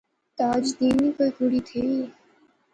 تاج دین نی کوئی کڑی تھی؟